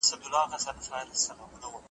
ونې هوا تازه ساتي.